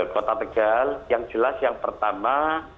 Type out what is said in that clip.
kota tegal yang jelas yang pertama